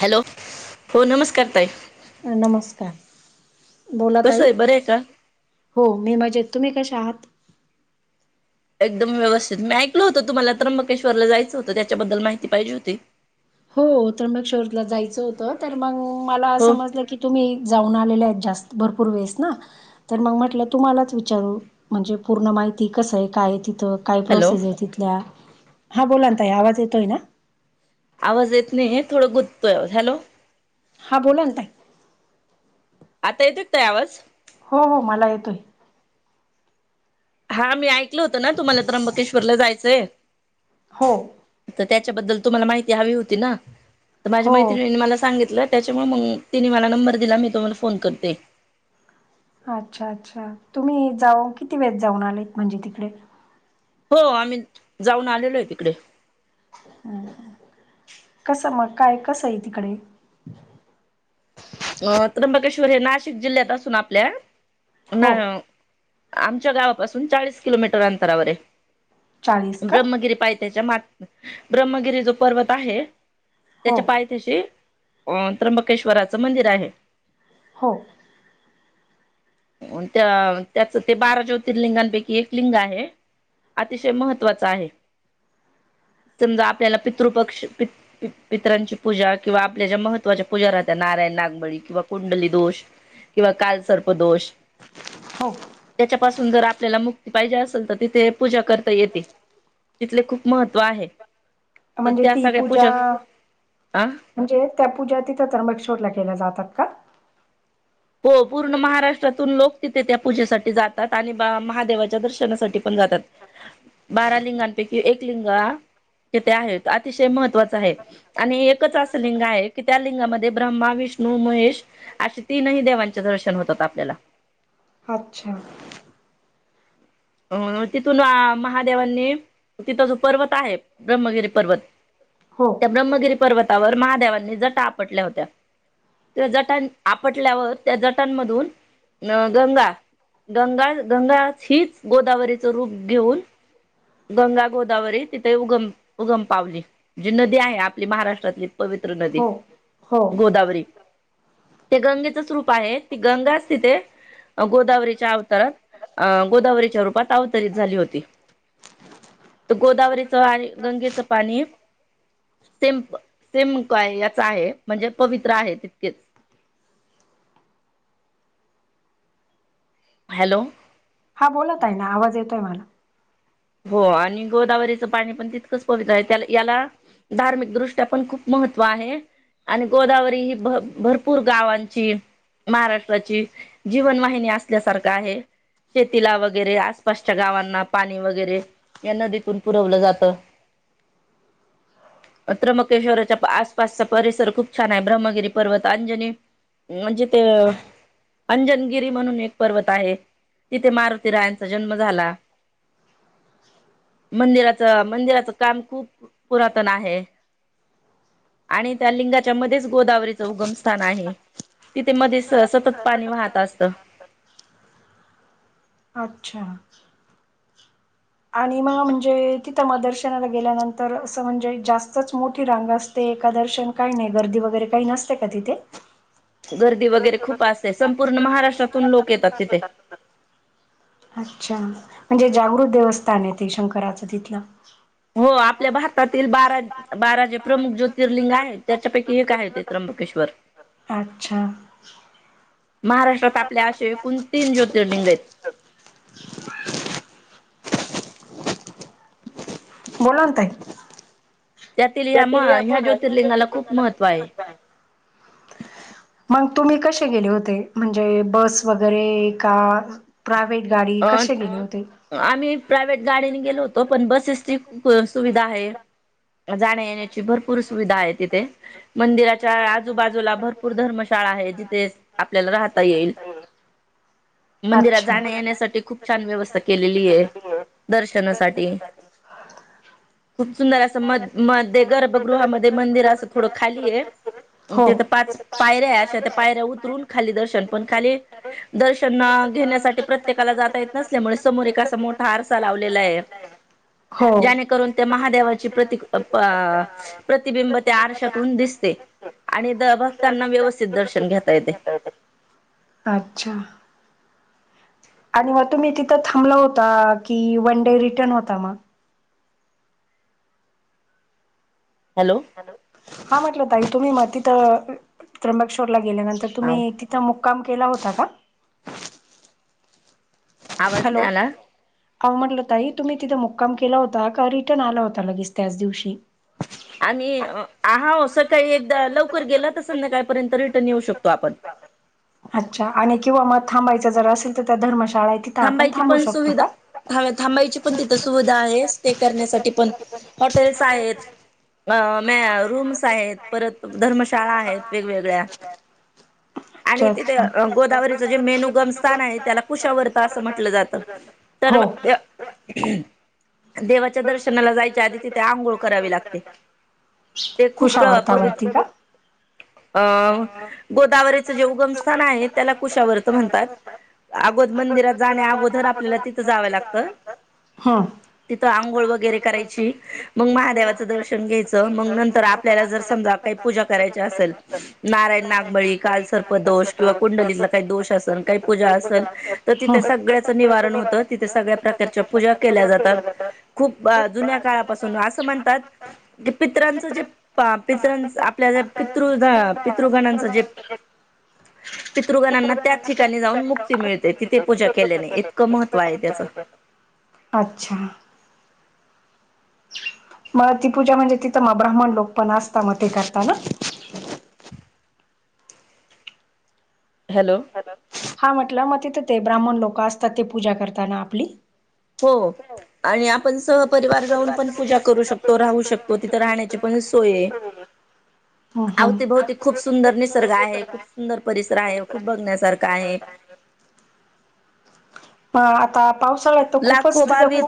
Hello! हो नमस्कार ताई. अह नमस्कार बोला ताई. हो मी मजेत तुम्ही कशा आहात? एकदम व्यवस्थित मी ऐकलं होतं तुम्हाला त्र्यंबकेश्वरला जायचं होतं त्याच्याबद्दल माहिती पाहिजे होती. हो त्र्यंबकेश्वर ला जायचं होतं तर मग मला समजलं की तुम्ही जाऊन आलेले आहेत जास्त भरपूर वेळेस ना तर मग म्हटलं, तूम्हालाच विचारू म्हणजे पूर्ण माहिती कसं आहे, काय आहे तिथं. काय प्रोसेस आहे तिथल्य. हा बोला ना ताई आवाज येतोय ना? आवाज येत नाहीये थोडं गुततोय आवाज हॅलो! हां, बोला ना ताई. आता येतोय काय आवाज? हो हो मला येतोय. हां मी ऐकल होतं ना तुम्हाला त्र्यंबकेश्वर ला जायचंय हो तर त्याच्याबद्दल तुम्हाला माहिती हवी होती ना तर माझ्या मैत्रिणीनी मला सांगितलं. त्याच्यामुळे मग तिने मला नंबर दिला मी तुम्हाला फोन करते. अच्छा अच्छा, तुम्ही जाऊ किती वेळेेत जाऊन आलेत म्हणजे तिकडे? हो आम्ही जाऊन आलेलो आहे तिकडे हम्म! कस मग काय कसय तिकडे? अह त्र्यंबकेश्वर हे नाशिक जिल्ह्यात असून आपल्या ना आमच्या गावापासून चाळीस किलोमीटर अंतरावर आहे, ब्रम्हगिरी पायथ्याच्या माग ब्रह्मगिरी जो पर्वत आहे त्याच्या पाय थ्याशी अह त्र्यंबकेश्वराचं मंदिर आहे. हो. अह त्या त्याचं ते बारा ज्योतिर्लिंगांपैकी एक लिंग आहे. अतिशय महत्त्वाचं आहे. समजा आपल्याला पितृपक्ष पित् पित्र पित्रांची पूजा किंवा आपल्या ज्या महत्त्वाच्या पूजा राहत्या नारायण नागमळी किंवा कुंडली दोष किंवा काल सर्प दोष हो. त्याच्यापासून जर आपल्याला मुक्ती पाहिजे असल तर तिथे पूजा करता येते. तिथले खूप महत्त्व आहे. म्हणजे ती पूजा म्हणजे त्या पूजा तिथं त्र्यंबकेश्वरला केल्या जातात का. हो पूर्ण महाराष्ट्रातून लोक तिथे त्या पूजेसाठी जातात आणि अह महादेवाच्या दर्शनासाठी पण जातात. बारा लिंगांपैकी एक लिंग हा तेथे आहे अतिशय महत्त्वाच आहे. आणि एकच असं लिंग आहे की त्या लिंगामध्ये ब्रह्मा विष्णू महेश अशी तीनही देवांचे दर्शन होतात आपल्याला. अच्छा. अ तिथून महादेवांनी तिथं जो पर्वत आहे ब्रह्मगिरी पर्वत. हो. त्या ब्रह्मगिरी पर्वतावर महादेवांनी जटा आपटल्या होत्या. त्या जटां आपटल्यावर त्या जटांमधून अं गंगा गंगा गंगा हीच गोदावरीच रूप घेऊन गंगा गोदावरी तिथे उगम, उगम पावली जी नदी आहे आपली महाराष्ट्रातली पवित्र नदी गोदावरी. ते गंगेचंच रूप आहे. ती गंगाच तिथे गोदावरीच्या अवतारात अ -गोदावरीच्या रूपात अवतरित झाली होती. तर गोदावरीचं आणि गंगेचं पाणी सेम सेम काय याच आहे म्हणजे पवित्र आहे तितकेच. हॅलो. हा बोला ताई ना आवाज येतोय मला. हो आणि गोदावरीचं पाणी पण तितकंच पवित्र आहे. त्या याला धार्मिक दृष्ट्या पण खूप महत्त्व आहे-. आणि गोदावरी ही भ भरपूर गावांची महाराष्ट्राची जीवन वाहिनी असल्यासारखं आहे. शेतीला वगैरे आसपासच्या गावांना पाणी वगैरे वगैरे या नदीतून पुरवलं जात. त्रंबकेश्वराच्या आसपासचा परिसर खूप छान आहे. ब्रह्मगिरी पर्वत अंजनी म्हणजे ते अंजनगिरी म्हणून एक पर्वत आहे. तिथे मारुती रायांचा जन्म झाला. मंदिराचं मंदिराचं काम खूप पुरातन आहे. आणि त्या लिंगाच्या मध्येच गोदावरीचं उगमस्थान आहे. तिथे मध्ये सतत पाणी वाहत असतं. अच्छा. आणि मग म्हणजे तिथं म दर्शनाला गेल्यानंतर, असं म्हणजे जास्तच मोठी रांग असते. ते का दर्शन काही नाही गर्दी वगैरे काही नसते का तिथे? गर्दी वगैरे खूप असते संपूर्ण महाराष्ट्रातून लोक येतात तिथे. अच्छा म्हणजे जागृत देवस्थान आहे तेे शंकराचं तिथलं. हो आपल्या भारतातील बारा बारा जे प्रमुख ज्योतिर्लिंग आहेत त्याच्यापैकी एक आहे ते त्र्यंबकेश्वर अच्छा. महाराष्ट्रात आपल्या असे एकूण तीन ज्योतिर्लिंग आहेत. बोला ण ताई त्यातील आपण म खूप [inaudible] मग तुम्ही कसे गेले होते म्हणजे बस वगैरे का प्रायव्हेट गाडी कसे गेले होते? आम्ही प्रायव्हेट गाडीने गेलो पण बसेसची सुविधा आहे. जाण्या येण्याची भरपूर सुविधा आहे तिथे. मंदिराच्या आजूबाजूला भरपूर धर्मशाळा आहे, जिथे आपल्याला राहता येईल. मंदिरात जाण्या येण्यास तिथे खूप छान व्यवस्था केलेली आहे दर्शनासाठी. खूप सुंदर असं म मध्ये गर्भगृहामध्ये मंदिर असं थोडं खाली आहे. ते तर पाच पायऱ्या अशा त्या पायऱ्या उतरून खाली दर्शन पण खाली दर्शन घेण्यासाठी प्रत्येक प्रत्येकाला जाता येत नल्यामुळे समोर एक असा मोठा आरसा लावलेला आहे ज्याणेकरून त्या महादेवाची प्रत प्रतिबिंब त्या आरशातून दिसते. आणि भक्तांना व्यवस्थित दर्शन घेता येते. अच्छा आणि मग तुम्ही तिथं थांबला होता की वन डे रिटर्न होता मग हॅलो हां म्हटलं ताई तुम्ही मग तिथं त्र्यंबकेश्वरला गेल्यानंतर तुम्ही तिथं मुक्काम केला होता का. हॅलो आओ म्हटलं ताई तुम्ही तिथे मुक्काम केला होता का रिटर्न आला होता लगेच त्याच दिवशी हां आणि हाव सकाळी एकदा लवकर गेला तर संध्याकाळपर्यंत रिटर्न येऊ शकतो आपण अच्छा आणि किंवा मग थांबायच जर असेल तर त्या धर्मशाळा थांबायची पण सुविधा थांब थांबायची पण तिथं सुविधा आहे स्टे करण्यासाठी पण हॉटेल्स आहेत. अ म रूम्स आहेत परत धर्मशाळा आहेत वेगवेगळ्या आणि तिथे गोदावरीच जे मेन उगम स्थान आहे त्याला कुशावर्ती असं म्हंटलं जात तर देवाच्या दर्शनाला जायच्या आधी तिथे आंघोळ करावी लागते ते खुप पवी - अं गोदावरीचं जे उगमस्थान आहे त्याला कुशावर्त म्हणतात अगोद मंदिरात जाण्या अगोदर आपल्याला तिथं जाव लागत. हां तिथं आंघोळ वगैरे करायची मग महादेवाचं दर्शन घ्यायचं मग नंतर आपल्याला जर समजा काही पूजा करायचे असेल. नारायण नागबळी काल सर्पदोष किंवा कुंडलीतला काही दोष असेल काही पूजा असेल तर तिथे सगळ्याचं निवारण होतं तिथे सगळ्या प्रकारच्या पूजा केल्या जातात. खुप जुन्या काळापासून असं म्हणतात की पित्रांच जे प पित्रां आपल्या ज पितृ पितृगणांच जे पितृगणांना त्या ठिकाणी जाऊन मुक्ती मिळते ते पूजा केल्याने इतकं महत्त्व आहे त्याचं अच्छा मग ती पुजा म्हणजे तिथं मग ब्राह्नण लोक पण असतात म ते करताना हॅलो हा म्हटलं मग तिथं ते ब्राह्मण लोक असतात ते पूजा करताना आपली हो आणि आपण सहपरिवार जाऊन पण पूजा करू शकतो राहू शकतो तिथं राहण्याची पण सोय [unintelligible] आवतीभवती खूप सुंदर निसर्ग आहे खूप सुंदर परिसर आहे खूप बघण्यासारख आहे मग पावसाळ्यात त खूपच तिथ खू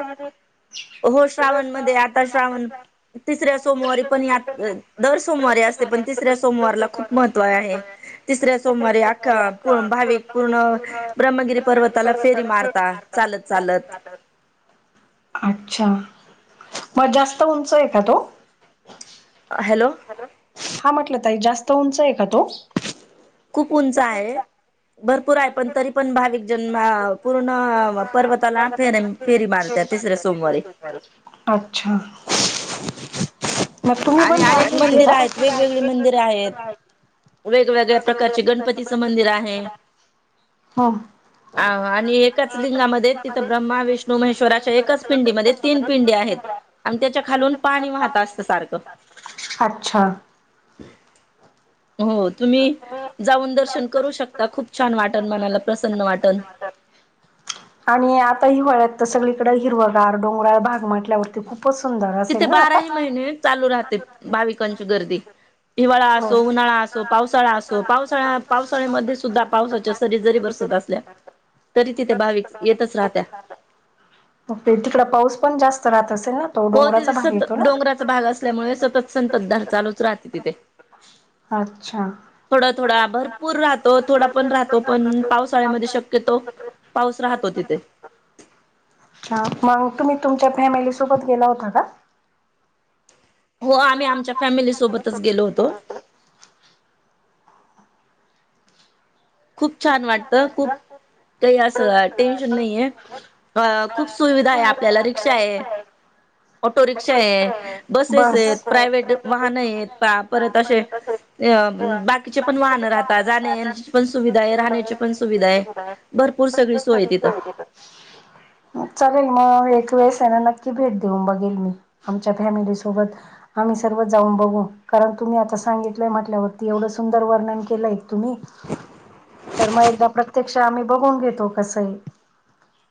हो श्रावणमध्ये आता श्रावण तिसऱ्या सोमवारी पण यात दर सोमवारी असते पण तिसऱ्या सोमवारला खूप महत्त्व आहे तिसऱ्या सोमवारीे अख्खा भाविक पूर्ण ब्रह्मगिरी पर्वताला फेरी मारतात चालत-चालत अच्छा मग जास्त उंच आहे का तो हॅलो हा म्हटलं ताई जास्त उंच आहे का तो खूप उंच आहे भरपूर आहे पण तरी पण भाविक जन पूर्ण पर्वताला फेऱ्या फेरी मारत्यात तिसऱ्या सोमवारी अच्छा मग तुम्ही पण [inaudible] होते का वेगवेगळ्या प्रकारचे गणपतीच मंदिर आहे हा हा आणि एकाच लिंगामध्ये तिथं ब्रह्मा विष्णू महेश्वर अशा एकाच पिंडीमध्ये तीन पिंडी आहेत आणि त्याच्या खालून पाणी वाहत असत सारखं आच्छा हो तुम्ही जाऊन दर्शन करू शकता खूप छान वाटल मनाला प्रसन्न वाटल आणि आता हिवाळ्यात तर सगळीकडे हिरवगार डोंगराळ भाग म्हंटल्यावरती खूपच सुंदर असेल ना आता चालू राहते भाविकांची गर्दी हिवाळा असो उन्हाळा असो पावसाळा असो पावसाळ्या-पावसाळ्यामध्ये सुद्धा पावसाच्या सरी जरी बरसत असतो [inaudible] तरी तिथे भाविक येतच राहत्या तिकड पाऊस पण जास्त राहत असेल ना हो तिथे सतत डोंगराचा भाग असल्यामुळे सतत संततधार चालूच राहते तिथे आच्छा थोडा-थोडा भरपूर राहतो थोडा पण राहतो पण पावसाळ्यामध्ये शक्यतो पाऊस राहतो तिथे हा मग तुम्ही तुमच्या फॅमिली सोबत गेला होता का हो आम्ही आमच्या फॅमिलीसोबतच गेलो होतो खूप छान वाटत खूप काही असं टेन्शन नाही आहे अ खूप सुविधा आहे आपल्याला रिक्षा आहे ऑटो रिक्षा आहे बसेस आहेत प्रायव्हेट वाहन आहेत परत असे बाकीचे पण वाहन राहतात जाण्या-येण्या पण सुविधा आहे राहण्याची पण सुविधा आहे भरपूर सगळी सोय आहे तिथ [inaudible] चालेल म एक वेळेस आहे ना नक्की भेट देऊन बघेल मी आमच्या फॅमिली सोबत आम्ही सर्व जाऊन बघू कारण तुम्ही आता सांगितलंय म्हटल्यावरती एवढ सुंदर वर्णन केलय तुम्ही तर मग एकदा प्रत्यक्ष आम्ही बघून घेतो कसय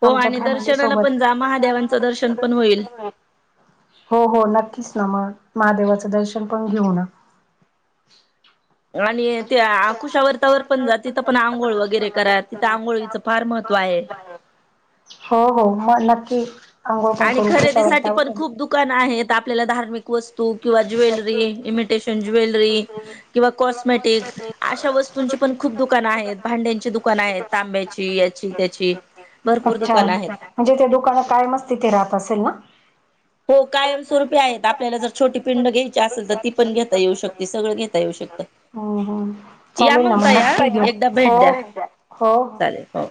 हो आणि दर्शनाला पण जा महादेवांच दर्शन पण होईल हो-हो नक्कीच ना मग महादेवाच दर्शन पण घेऊ ना आणि ते आकुशावरतावर पण जा तिथं पण आंघोळ वगैरे करा तिथं आंघोळीचं फार महत्त्व आहे. हो-हो मग नक्की अंघोळ पण करू [inaudible] दुकान आहेत आपल्याला धार्मिक वस्तू किंवा ज्वेलरी इमिटेशन ज्वेलरी किंवा कॉस्मेटिक अशा वस्तूंची पण खूप दुकानं आहेत, भांड्यांची दुकानं आहेत, तांब्याची याची त्याची अच्छा म्हणजे ते दुकान कायमच तिथे राहत असेल ना? हो कायमस्वरूपी आहेत आपल्याला जर छोटी पिंड घ्यायची असेल तर ती पण घेता येऊ शकतील, सगळं घेता येऊ शकत. हम्- हम्, चालेलं ना मग काय घेऊ हो- हो. हो.